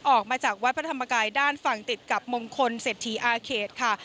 ออกมาจากวัดพระธรรมกายด้านฝั่งติดกับมงคลเศรษฐีอาเขตค่ะ